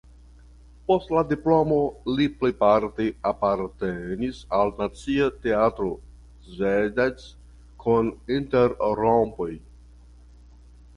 Post la diplomo li plejparte apartenis al Nacia Teatro (Szeged) kun interrompoj.